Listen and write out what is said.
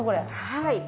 はい。